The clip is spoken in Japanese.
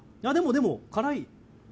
でも、辛い。